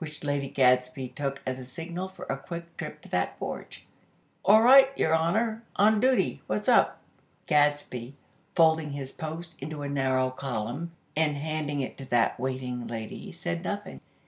which Lady Gadsby took as a signal for a quick trip to that porch. "All right, Your Honor! On duty! What's up?" Gadsby, folding his "Post" into a narrow column, and handing it to that waiting lady, said nothing.